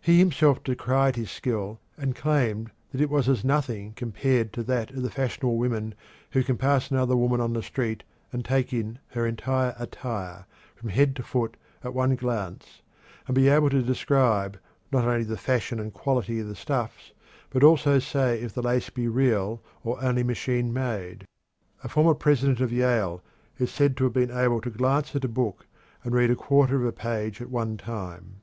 He himself decried his skill and claimed that it was as nothing compared to that of the fashionable woman who can pass another woman on the street and "take in" her entire attire, from head to foot, at one glance, and "be able to describe not only the fashion and quality of the stuffs, but also say if the lace be real or only machine made." A former president of Yale is said to have been able to glance at a book and read a quarter of a page at one time.